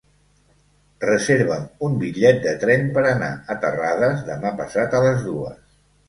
Reserva'm un bitllet de tren per anar a Terrades demà passat a les dues.